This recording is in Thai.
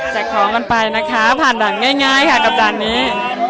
แจกของกันไปนะคะผ่านหลังง่ายค่ะกับจานนี้